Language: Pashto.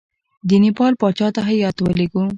د نیپال پاچا ته هیات ولېږو.